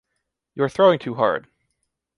You are throwing too hard!